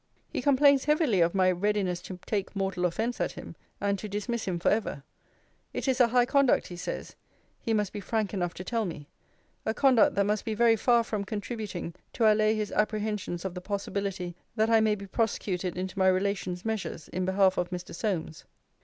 He complains heavily of my 'readiness to take mortal offence at him, and to dismiss him for ever: it is a high conduct, he says, he must be frank enough to tell me; a conduct that must be very far from contributing to allay his apprehensions of the possibility that I may be prosecuted into my relations' measures in behalf of Mr. Solmes.'